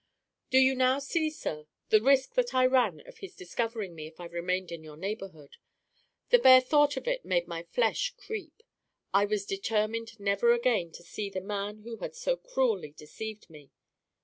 "Do you now see, sir, the risk that I ran of his discovering me if I remained in your neighborhood? The bare thought of it made my flesh creep. I was determined never again to see the man who had so cruelly deceived me.